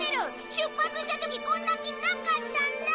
出発した時こんな木なかったんだ！